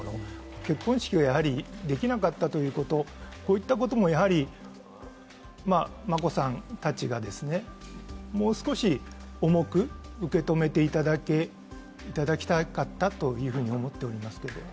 結婚式ができなかったということこういったことも眞子さんたちがもう少し重く受け止めていただきたかったと思いますけども。